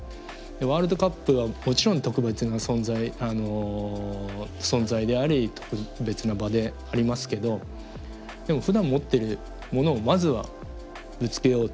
ワールドカップはもちろん特別な存在存在であり特別な場でありますけどでもふだん持ってるものをまずはぶつけようと。